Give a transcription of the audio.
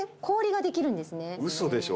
ウソでしょ